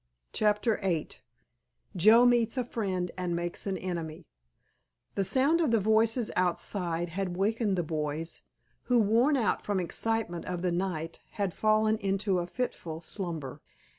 *CHAPTER VIII* *JOE MEETS A FRIEND AND MAKES AN ENEMY* The sound of the voices outside had wakened the boys, who, worn out from the excitement of the night, had fallen into a fitful slumber.